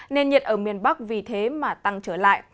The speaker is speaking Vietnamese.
nên nhiệt ở miền bắc vì thế mà tăng trở lại